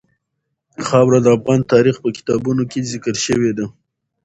خاوره د افغان تاریخ په کتابونو کې ذکر شوی دي.